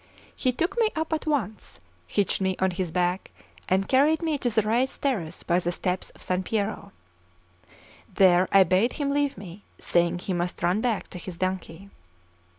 He took me up at once, hitched me on his back, and carried me to the raised terrace by the steps to San Piero. There I bade him leave me, saying he must run back to his donkey.